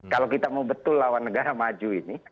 kalau kita mau betul lawan negara maju ini